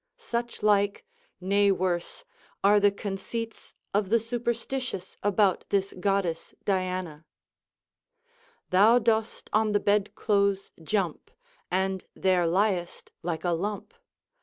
Such like, nay \vorse, are the conceits of the superstitious about this Goddess Diana :— Thou dost on tlie bed clothes jump, And tliere liest like a lump.